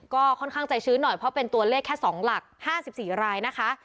ก็ค่อนข้างใจชื้นหน่อยเพราะเป็นตัวเลขแค่๒หลัก๕๔รายนะคะ